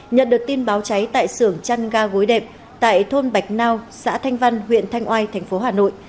nhận được tin báo cháy tại sưởng trăn ga gối đệm tại thôn bạch nao xã thanh văn huyện thanh oai tp hà nội